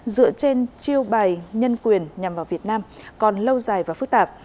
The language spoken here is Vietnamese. dựa trên chiêu bài nhân quyền nhằm vào việt nam còn lâu dài và phức tạp